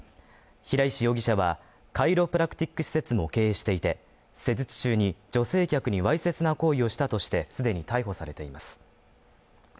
平石容疑者は、カイロプラクティック施設も経営していて施術中に女性客にわいせつな行為をしたとして、既に逮捕されています。